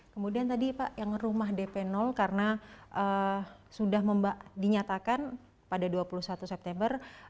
kemudian tadi pak yang rumah dp karena sudah dinyatakan pada dua puluh satu september